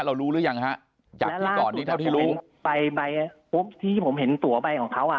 รู้หรือยังฮะจากที่ก่อนนี้เท่าที่รู้ไปใบปุ๊บที่ผมเห็นตัวใบของเขาอ่ะ